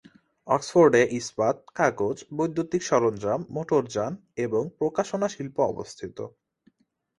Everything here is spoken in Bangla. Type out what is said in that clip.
অক্সফোর্ডে ইস্পাত, কাগজ, বৈদ্যুতিক সরঞ্জাম, মোটরযান এবং প্রকাশনা শিল্প অবস্থিত।